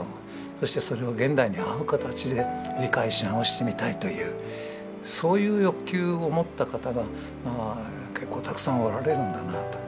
そしてそれを現代に合う形で理解し直してみたいというそういう欲求を持った方がまあ結構たくさんおられるんだなと。